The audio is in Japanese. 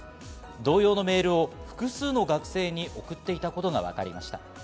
同様のメールを複数の学生に送っていたことがわかりました。